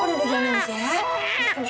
udah udah jangan nangis ya